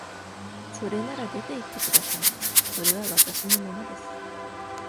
それなら出て行ってください。それは私のものです。